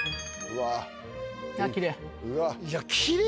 うわっ。